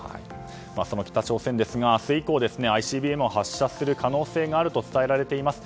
その北朝鮮ですが明日以降ＩＣＢＭを発射する可能性があると伝えられています。